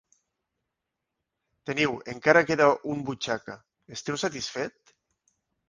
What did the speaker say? Teniu. Encara queda un butxaca. Esteu satisfet?